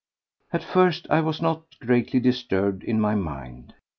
At first I was not greatly disturbed in my mind.